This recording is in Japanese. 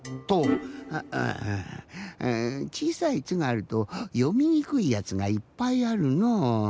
ああぁちいさい「ツ」があるとよみにくいやつがいっぱいあるのう。